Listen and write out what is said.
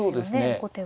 後手は。